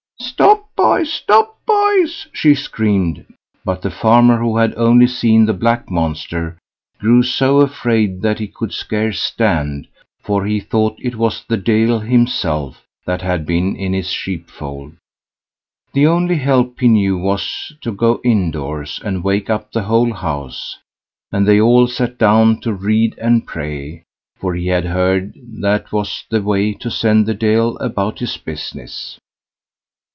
"Stop, boys! stop, boys!" she screamed; but the farmer, who had only seen the black monster, grew so afraid that he could scarce stand, for he thought it was the Deil himself that had been in his sheepfold. The only help he knew was, to go indoors and wake up the whole house; and they all sat down to read and pray, for he had heard that was the way to send the Deil about his business.